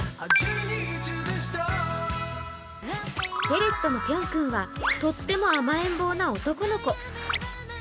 フェレットのぴょん君はとっても甘えん坊の男の子。